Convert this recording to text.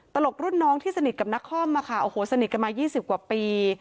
ตลกรุ่นน้องที่สนิทกับนักคอมโอ้โหสนิทกันมา๒๐กว่าปี